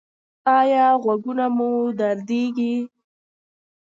ایا غوږونه مو دردیږي؟